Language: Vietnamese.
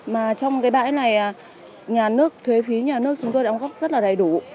mà trong cái bãi này nhà nước thuế phí nhà nước chúng tôi đóng góp rất là đầy đủ